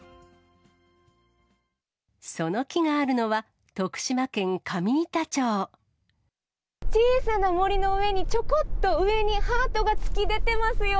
その木があるのは、徳島県上小さな森の上に、ちょこっと上にハートが突き出てますよ。